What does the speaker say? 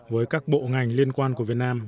với các bộ ngành liên quan của việt nam